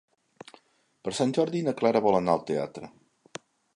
Per Sant Jordi na Clara vol anar al teatre.